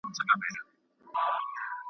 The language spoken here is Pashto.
نور له زړه څخه ستا مینه سم ایستلای .